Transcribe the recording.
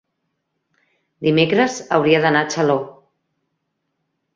Dimecres hauria d'anar a Xaló.